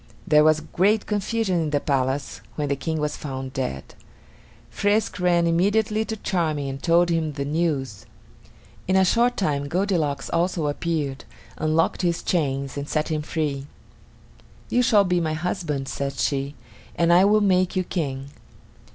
There was great confusion in the palace when the King was found dead. Frisk ran immediately to Charming and told him the news. In a short time Goldilocks also appeared, unlocked his chains, and set him free. "You shall be my husband," said she, "and I will make you King."